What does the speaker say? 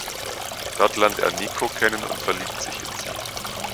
Dort lernt er Nico kennen und verliebt sich in sie.